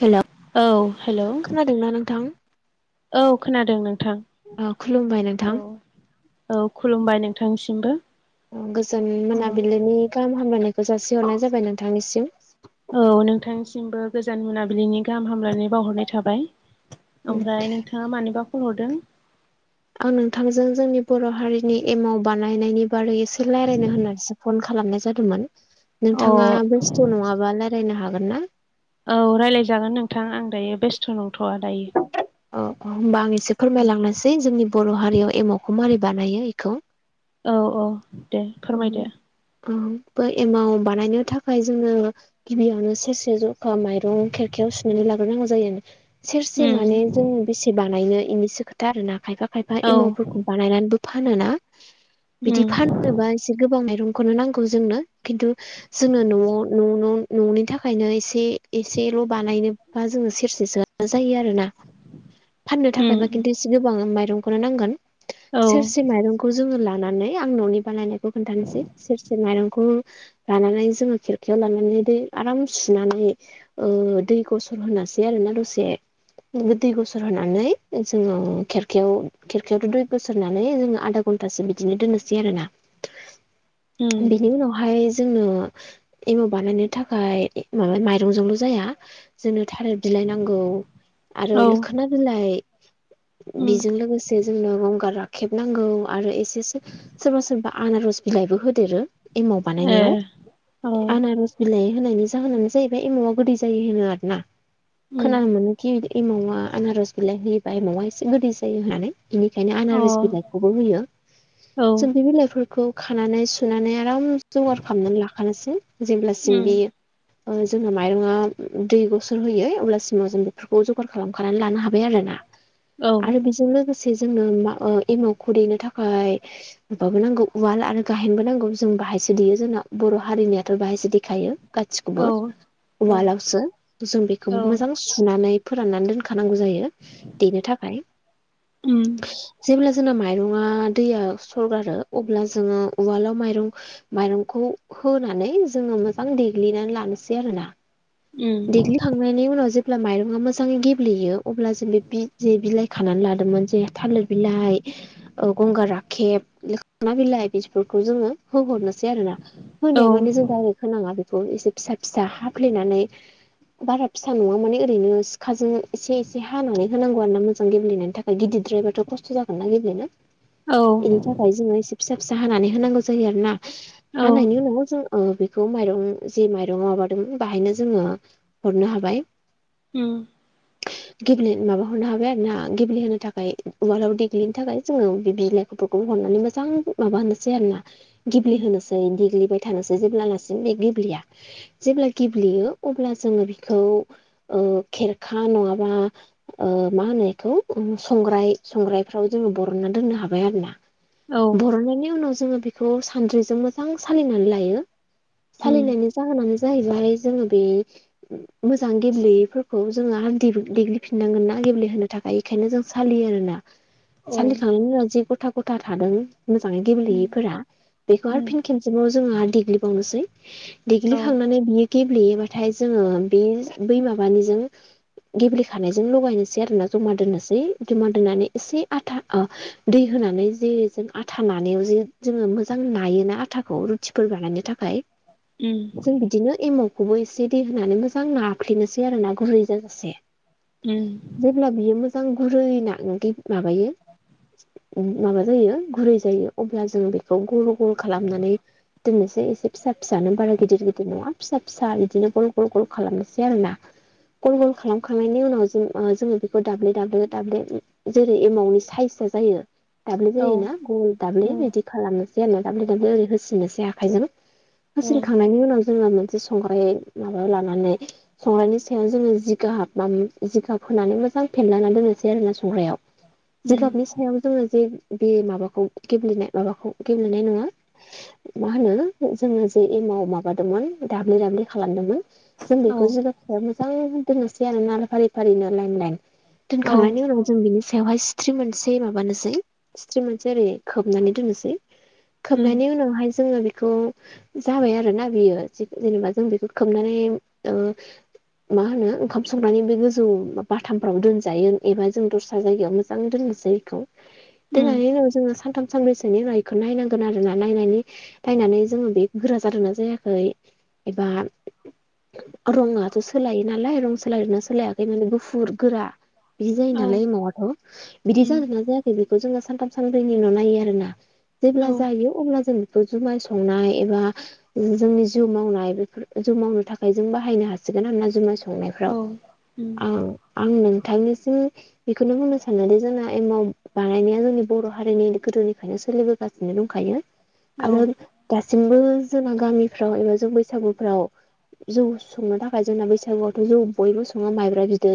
हेल'। औ हेल' खोनादोंना नोंथां औ खोनादों नोंथां। अ' खुलुमबाय औ नोंथां। औ खुलुमबाय नोंथांसिमबो गोजोन मोनाबिलिनि गाहाम हामलायनायखौ जासिहरनाय जाबाय नोंथांनिसिम। औ नोंथांनिसिमबो गोजान मोनाबिलिनि गाहाम हामलायनाय बावहरनाय थाबाय। ओमफ्राय नोंथाङा मानिबा फन हरदों। आं नोंथांजों जोंनि बर' हारिनि एमाव बानायनायनि बारै एसे रायल्लायनो होननानैसो फन खालाम‌ खालामनाय जादोंमोन नोंथाङा अ बेस्थु नङाबा रायज्लायनो हागोन ना? औ रायज्लायजागोन नोंथां आं दायो बेस्थ' नंथ'वा दायो। [unintelligible] होमबा आं एसे फोरमायलांनोसै जोंनि बर' हारियाव एमावखौ मारि बानायो बेखौ औ -औ दे फोरमायदो। ब एमाव बानायनो थाखाय जोङो गिबियावनो सेरसे जखा माइरं खेरखायाव सुनानै लाग्रोनांगौ जायो। सेरसे माने उम जोङो बेसे बानायनो बेनिसो खोथा आरोना खायफा खायफा औ एमावफोरखौ बानायनानैबो फानोना बिदि फान उम जनोबा एसे गोबां माइरंखौनो नांगौ जोंनो खिन्थु जोङो न'आव न' न'नि थाखायनो एसे एसेल' बानायनोबा जोङो सेरसेसो जायो आरोना फाननो थाखायबा उम खिन्थु एसे गोबां माइरंखौनो नांगोन‌। औ सेरसे माइरंखौ जोङो लानानै आं न'नि बानायनायखौ खोन्थानोसै सेरसे माइरंखौ लानानै जोङो खिरखायाव लानानै दै आराम सुनानै ओ दैखौ गसर होनोसै आरो ना दसे [unintelligible] होनानै जोङो खेरखायाव खेरखायावथ' दै बोसोर होनानै जों आदा घन्टासो बिदिनो दोननोसै आरोना उम बिनि उनावहाय जोंनो एमाव बानायनो थाखाय माबा माइरंजोंल' जाया जोंनो थालिर बि आरो औ लोखोना बिलाइ बेजों उम लोगोसे जोंनो गंगार राखेबनांगौ आरो एसेस सोरबा सोरबा आनारस बिलाइबो होदेरो एमाव ए अ बानायनायाव उम आनारज बिलाइ होनायनि जाहोनानो जाहैबाय एमावा गोदै जायो होनो आरोना। खोनानो मोनोखि बि एमावा आनारस बिलाइ होयोबा एमावाआ एसे गोदै जायो होननानै बेनिखायनो अ औ आनारस बिलाइखौबो होयो सुमफ बिलाइ बे खौ खानानै सुनानै आराम जगार खालामनानै लाखानोसै जेब्लासिम उम बेयो जोंना माइरङा दै गसर होयो अब्ला [unintelligible] जों बेफोरखौ जगार खालामखानानै लानो हाबाय आरोना औ आरो बेजों लोगोसे ससे जोंनो एमावखौ दैनो थाखाय माबाबो नांगौ उवाल आरो गाहेनबो नांगौ जों बाहायसो देयो जोंना बर' हारिनियाथ' बाहायसो देखायो। गासिखौबो औ औ उवालावसो जों औ बेखौबो मोजां सुनानै फोराननानै दोनखानांगौ जायो देनो थाखाय। उम जेब्ला जोंना माइरङा दैया सरगारो अब्ला जोङो उवालाव माइरं माइरंखौ होनानै जोङो मोजां देग्लिनानै लानोसै आरोना। उम दलि हां मायनि उ जेब्ला माइरङा मोजाङै गेब्लेयो अब्ला जों बे जे बिलाइ खानानै लादोंमोन जे थालिर बिलाइ गंगार राखेब खा बिलाइ बेफोरखौ जोङो होहरनोसै आरो ना। औ होनाया माने जों डायरेक्ट होनाङा बेखौ एसे फिसा फिसा हाफ्लेनानै बारा फिसा नङा माने ओरैनो सिखाजों एसे एसे हानानै होनांगौ आर ना मोजां गेब्लेनायनि थाखाय गिदिरद्रायबाथ' खस्थ जागोन। अ ग बेनो औ जसे फिसा फिसा हानानै होनांगौ जायो आरोोना औ हानायनि उनाव जों बेखौ माइरं जि माइरं माबादों बेाहायनो जोङो हरनो हाबाय उम गेब्ले माबा हरनो हाबाय आरो ना गेब्लेहोनो थाखाय उवालाव देग्लिनो थाखाय जोङो बि बिदिनो फोरखौ हरनानै मोजां माबा होनोसै आरो ना उम गेब्लेहोसै जै देग्लिबाय थानोसै जेब्लालासिम बे गेब्लेया जेब्ला गेब्लेयो अब्ला जोङो बिखौ खेरखा नङाबा मा होनो बेखौ संग्राय संग्रायफ्राव जोङो बरनना दोननो हाबाय आरोना। औ बर'नायनि उनाव जोङो बेखौ सानद्रिजों मोजां सालिनानै लायो। उम सालिनायनि जाहोनानो जाहैबाय जोङो बे मो मोजां गेब्लेयैफोरखौ जोङो देग्लिफिनांगोन ना गेब्लेहोनो थाखाय बेखायनो जों सालियो आरोना। औ सालिखांनायनि उनाव जि गथा गथा थादों। मोजाङै उम गेब्लेयैफोरा बेखौ आरो उम फिन खेमसिमाव जोङो आरो देग्लिबावनोसै औ देग्लिखांनानै बियो गेब्लेयोबाथाय जोङो बे बै माबानिजों। गेब्लेखानायजों लगायनोसै आरोना जमा दोननोसै जमा दोन्नानै एसे आथा दै होनानै जे जों आथा नानायाव जे जोङो मोजां नायोना आथाखौ। खथिफोर बानायनो थाखाय। उम जों बिदिनो एमावखौबो एसे दै होनानै मोजां नाफ्लेनोसै आरो ना गुरै जाजासे उम जेब्ला बियो मोजां गुरै ना माबायो। माबा जायो गुरै जायो अब्ला जों बेखौ गल गल खालामनानै दोननोसै एसे फिसा फिसानो बारा गिदिर गिदिर नङा फिसा फिसा बिदिनो गल गल गल खालामनोसै आरो ना गल गल खालामखांनायनि उनाव जों जोङो बेखौ दाब्ले दाब्ले दाब्ले जेरै एमाउन्टनि साइजआ जायो। दाब्ललि औ जायोना गल दाब्लि रेदि खालामनोसै आरो ना दाब्ले दाब्ले ओरै होसिननोसै आखाइजों। उम औ हासिनखांनायनि उनाव जोङो मोनसे संग्राय माबायाव लानानै। संग्रनायनि सायाव जोङो जिगाब माब जिगाब होनानै मोजां फेेनलायनानै दोननोसै आरोना संग्रायाव। उम जिगाबनि सायाव। जोङो जे बे माबाखौ गेबेनाय माबाखौ गेब्लेनाय नङा। मा होनो जोङो जे एम माबादोंमोन दाबलि दाब्लि खालामदोंमोन। जों औ खौ जगसाया मोजां दोननोसै आरो नाल फारि फारिनो लाइन लाइन औ दोनखांनायनि उनाव जों बिनि बेवहाय सिथ्रि मोनसे माबानोसै सिथ्रि मोनसे ओरै खोबनानै दोननोसै। उम खोबनायनि उनावहाय जोङो बेखौ। जाबाय आरो ना बियो जेनेबा जों बेखौ खोबनानै मा होनो ओंखाम संनानै बे गोजौ बाथामफ्राव दोनजायो एबा जों दस्रा जायगायाव मोजां। दोननोसैखौ उम दनानै उनाव जों सानथ सानबैसोनिखौ नायनांगोन आरो ना नायनानै नायनानै जोङो बे गोरा जादों ना जायाखै। एबा रङाथ' सोलाय नालाय रं सोलायना सोलायाखै माने गुफुर गोरा। बिदि जायो औ नालायमावाथ' बिदि उम जागोन ना जायाखै बेखौ जोङो सानथाम सानब्रैनि उन' नायो आरोना जेब्ला औ जायो अब्ला जों बे जुमाय संनाय एबा जोंनि जौ मावनाय बेफोर जौ मावनो था फायजों बाहायनो हासिगोन आरोना जुमाय संनायफ्राव औ उम आं आं नोंथांनिसिम बेखौनो बुंनो सानदि जोंना एमाव बानायनाया जोंनि बर' हारिनि गोदोनिफ्रायनो सोलिबो गासिनो दंखायो औ आरो दासिमबो जोंना गामिफ्राव एबा जों बैसागुफ्राव जौ संनो थाखाय जोंना बैसागुआवथ' जौ बयबो सङो माइब्रा बिदै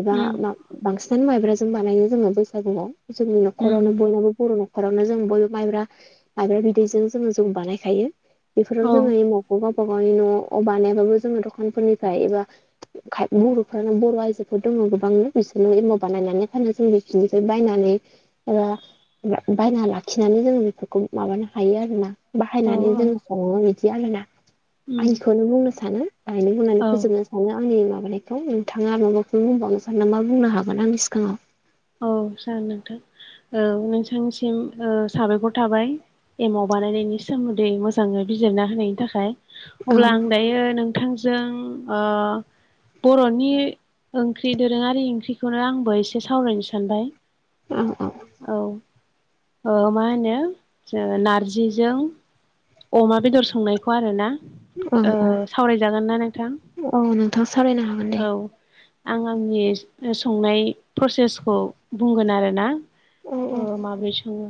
एबा उम मा बांसिनानो माइब्राजों बानायो जोङो बैसागुआव जोंनि उम न'खरावनो बयनाबो बर' न'खरावनो जों बयबो माइब्रा माइब्रा बिदैजों जोङो जों बानायखायो। बेफोराव औ जोङो एमावखौ गावबा गावनि न'आव बानायाबाबो जोङो दखानफोरनिफ्राय एबा बर'फ्रानो बर' आइजोफोर दङ गोबांनो बिसोरनो एम बानायनानै फानोानो जों बेखिनिफ्राय बायनानै एबा बायना लाखिनानै जोङो बेफोरखौ माबानो हायो आरोना औ बाहायनानै औ जोङो सङो बिदि आरोना उम नो बुंनो सानो बाहायनो बुंनानै औ फोजोबनो आनो आंनि माबानायखौ नोंथाङा माबाखौ बुंबावनो सानदोंबा बुंनो हागोन आंनि सिगाङाव औ जागोन नोंथां औ नोंथांनिसिम साबायखर थाबाय। एमाव बानायनायनि सोमोन्दै मोजाङै बिजिरना होनायनि थाखाय अब्ला औ आं दायो नों थांजों ओ बरनि ओंख्रि दोरोङारि ओंख्रिखौनो आंबो एसे सावरायनोसै- सानबाय औ औ ओ मा होनो जो नारजिजों अमा बेदर संनायखौ आरो ना औ ओ सावरायजागोन ना नोंथां औ औ नोंथां सावरायनो हागोन दे औ आं आंनि संनाय प्रसेसखौ बुंगोन आरोना औ ओ औ माब्रै सङो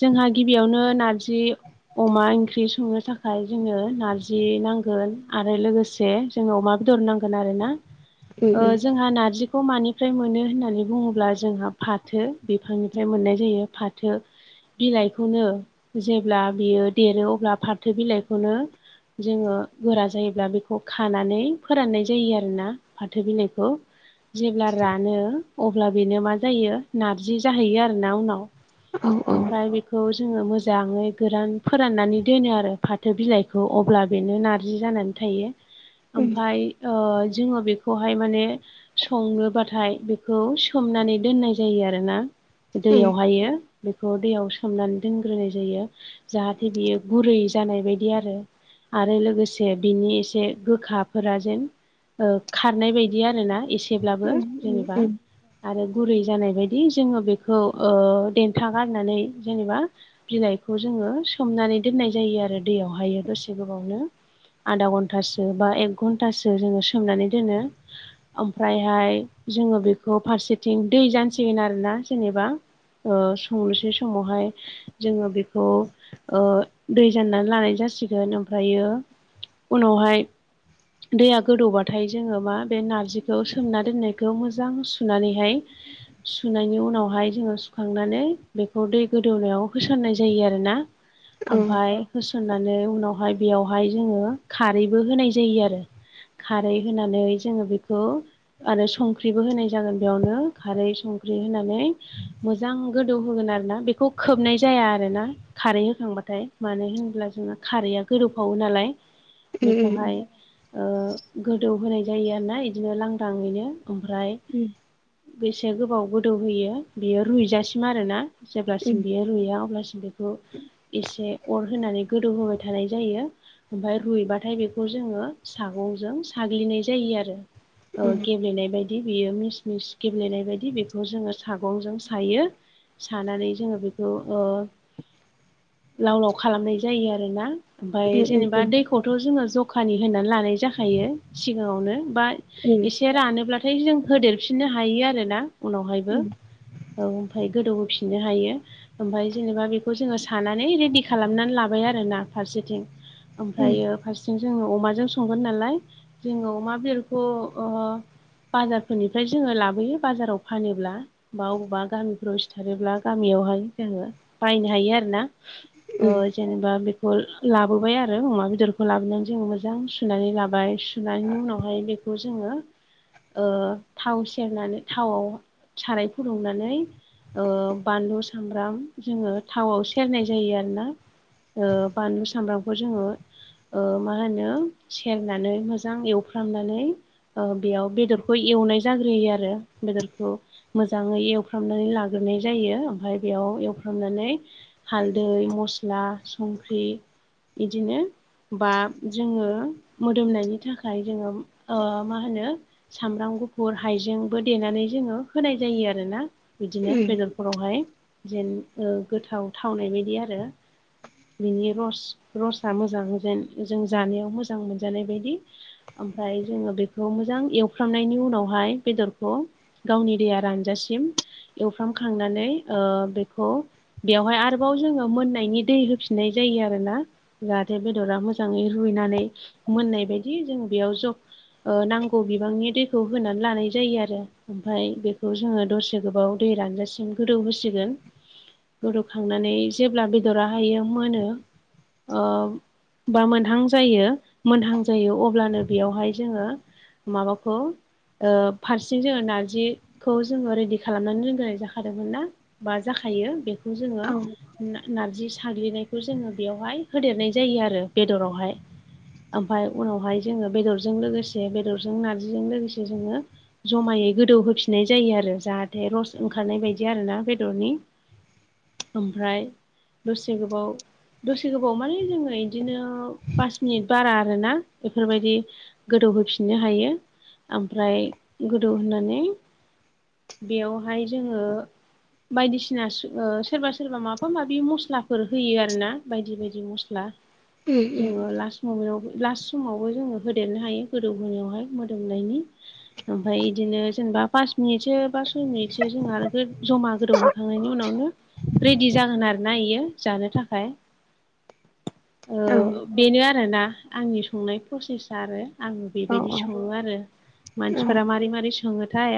जोंहा गिबियावनो नारजि अमा ओंख्रि ओंख्रि संनो थाखाय जोङो नारजि नांगोन आरो लोगोसे जों अमा दरनांगोन आरो ना उम जोंहा नारजिखौ खौ मानिफ्राय मोनो होननानै बुङोब्ला जोंहा फाथो बिफांनिफ्राय मोननाय जायो फाथो बिलाइखौनो जेब्ला बियो देरो अब्ला फाथो बिलाइखौनो जोङो गोरा जायोब्ला बेखौ खानानै फोराननाय जायो आरोना फाथो बिलाइखौ जेब्ला रानो अब्ला बेनो मा जायो नारजि जाहैयो आरोना उनाव उम औ उम ओमफ्राय बेखौ जोङो मोजाङै गोरान फोराननानै दोनो आरो फाथो बिलाइखौ अब्ला बेनो नारजि जानानै थायो ओमफाय ओ जोङो बेखौहाय माने संनोबाथाय बेखौ खौ सोमनानै दोननाय जायो आरोना दैयावहायो बेखौ दैयाव सोमनानै दोनग्रोनाय जायो जाहाथे बियो गुरै जानाय बायदि आरो आरो लोगोसे बिनि एसे गोखाफोरा जेन ओ खारनाय बायदि आरोना एसेब्लाबो उम जेनेबा उम औ उम आरो गुरै जानाय बायदि जोङो बेखौ ओ देन्था गारनानै जेनेबा बिलाइखौ जोङो सोमनानै दोननाय जायो आरो दैयावहायो दसे गोबावनो आधा घन्टासो बा एक घन्टासो जोङो सोमनानै दोनो ओमफ्रायहाय जोङो बेखौ फारसेथिं दै जानसिगोन आरोना जेनेबा ओ संनोसै समावहाय जोङो बेखौ ओ दै जाननानै लानाय जासिगोन ओमफ्रायो उनावहाय दैया गोदौबाथाय जोङो मा बे नारजिखौ सोमना दोननायखौ मोजां सुनानैहाय सुनायनि उनावहाय जोङो खांनानै बेखौ दै गोदौनायाव होसननाय जायो आरो ना ओमफाय होसननानै उनावहाय बेयावहाय जोङो खारैबो होनाय जायो आरो। खारै होनानै जोङो बेखौ आरो संख्रिबो होनाय जागोन बेयावनो खारै संख्रि होनानै मोजां गोदौ होगोन आरो ना बेखौ खोबनाय जाया आरो ना खारै होखांबा फ्राय मानो होनब्ला जोंहा खारैया गोदौफावो नालाय बेखौहाय ओ गोदौ होनाय जायो आरोना इदिनो लांदाङैनो ओमफ्राय उम। बेसे गोबाव गोदौ होयो बेयो रुइजासिम आरोना। उम उम जेब्लासिम बेयो रुया अब्लासिम बेखौ एसे अर होनानै गोदौ होबाय थानाय जायो। ओमफाय रुइबाथाय बेखौ जोङो सागंजों साग्लिनाय जायो आरो। ओ औ गेब्लेनाय बायदि बियो मिस मिस गेब्लेनाय बायदि बेखौ जोङो सागंजों सायो। सानानै जोङो बेखौ ओ लाव लाव खालामनाय जायो आरो ना। ओमफाय जेनेबा दैखौ खौथ जोङो जखानि होनानै लानाय जाखायो सिगाङावनो बा एसे रानोब्लाथाय जों होदेरफिननो हायो आरोना उनावहायबो। औ ओमफाय गोदौहोफिननो हायो ओमफाय जेनेबा बेखौ जोङो साना नै रेदि खालामनानै लाबाय आरोना फारसेथिं ओमफायो फारसेथिं जोङो अमाजों संगोन नालाय जोङो अमा बेदरखौ ओ बाजारफोरनिफ्राय जोङो लाबोयो बाजाराव फानोब्ला बा बबावबा गामिफ्राव सिथारोब्ला गामियावहाय जोङो बायनो हायो आरोना। ओ जेनेबा बेखौ लाबोबाय आरो अमा बेदरखौ लाबोनानै जोङो मोजां सुनानै लाबाय सुनायनि उनावहाय बेखौ जोङो थाव सेरनानै थावआव साराय फुदुंनानै ओ बानलु सामब्राम जोङो थावआव सेरनाय जायो आरोना। बानलु सामब्रामखौ जोङो ओ मा होनो सेरनानै मोजां एवफ्रामनानै ओ बेयाव बेदरखौ एवनाय जाग्रोयो आरो बेदरखौ मोजाङै एवफ्रामनानै लाग्रोनाय जायो। ओमफ्राय बेयाव एवफ्रामनानै हालदै मस्ला संख्रि इदिनो बा जोङो मोदोमनायनि थाखाय जोङो ओ मा होनो सामब्राम गुफुर हाइजेंबो देनानै जोङो होनाय जायो आरोना। बिदिनो बेदरफोरावहाय जेन गोथाव थावनाय बायदि आरो। बिनि रस-रसा मोजां जेन जों जानायाव मोजां मोनजानाय बायदि ओमफ्राय जोङो बेखौ मोजां एवफ्रामनायनि उनावहाय बेदरखौ गावनि दैया रानजासिम एवफ्रामखांनानै ओ बेखौ बेवहाय आथ आरोबाव जोङो मोननायनि दै होफिननाय जायो आरोना जाहाथे बेदरा मोजाङै रुइनानै मोननाय बायदि जों बेयाव जख नांगौ बिबांनि दैखौ होनानै लानाय जायो आरो। ओमफ्राय बेखौ जोङो दसे गोबाव दै रानजासिम गोदौ होसिगोन खांनानै जेब्ला बेदरा हायो मोनो बा मोनहां जायो मोनहां जायो अब्लानो बेयावहाय जोङो माबाखौ ओ फारसेथिं जोङो नारजिखौ जोङो रेडि खालामनानै दोनग्रोनाय जाखादोंमोन ना? बा जाखायो बेखौ जोङो नारजि साग्लिनायखौ जोङो बेयावहाय होदेरनाय जायो आरो बेदरावहाय। ओमफ्राय उनावहाय जोङो बेदरजों लोगोसे बेदरजों नारजिजों लोगोसे जोङो जमायै गोदौहफिननाय जायो आरो जाहाथे रस ओंखारनाय बायदि आरोना बेदरनि ओमफ्राय दसे गोबाव दसे गोबाव माने जोङो बिदिनो पास मिनिट बारा आरोना इफोरबायदि गोदौहोफिननो हायो। ओमफ्राय गोदौ होनानै बेयावहाय जोङो बायदिसिना सोरबा सोरबा माबा माबि मस्लाफोर होयो आरोना बायदि बायदि मस्ला। जोङो लास हाबायाव लास्ट समावबो जोङो होदेरनो हायो। गोदौहोनायावहाय मोदोमनायनि ओमफ्राय बिदिनो जेनेबा पास मिनिटसो बा सय मिनिटसो जोंहा आरो जमा गोदौहोखांनायनि उनावनो रेडि जागोन आरो ना बियो जानो थाखाय। बेनो आरोना आंनि संनाय प्रसेसा आरो। आङो बे औ बायदि सङो आरो औ मानसिफोरा मारै मारै सङोथाय।